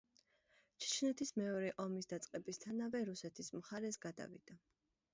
ჩეჩნეთის მეორე ომის დაწყებისთანავე რუსეთის მხარეს გადავიდა.